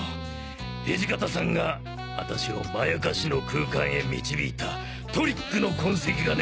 土方さんが私をまやかしの空間へ導いたトリックの痕跡がね。